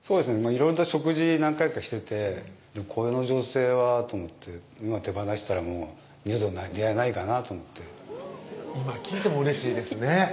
いろいろと食事何回かしててこの女性はと思って今手放したら二度と出会えないかなと思っていま聞いてもうれしいですね